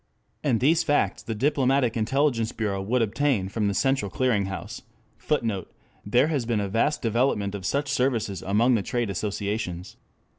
And these facts the diplomatic intelligence bureau would obtain from the central clearing house. [Footnote: There has been a vast development of such services among the trade associations.